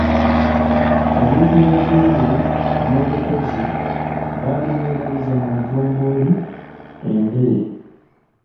Obwetoowaze bwe n'obukozi babimwebaliza mu ntongooli, endere.